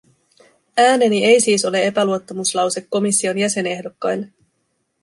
Ääneni ei siis ole epäluottamuslause komission jäsenehdokkaille.